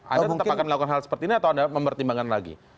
anda tetap akan melakukan hal seperti ini atau anda mempertimbangkan lagi